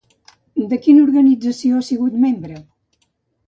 De quina organització ha sigut membre?